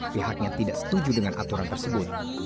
pihaknya tidak setuju dengan aturan tersebut